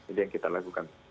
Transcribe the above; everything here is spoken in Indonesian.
itu yang kita lakukan